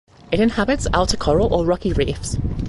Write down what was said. It inhabits outer coral or rocky reefs.